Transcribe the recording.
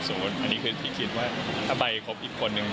สมมุติอันนี้คือที่คิดว่าถ้าไปคบอีกคนหนึ่ง